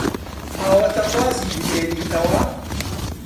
ئاواتەخوازی بمێنیتەوە؟